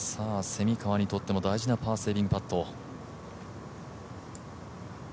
蝉川にとっても大事なパーセービングパット。